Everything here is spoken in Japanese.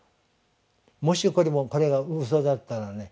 もしこれがうそだったらね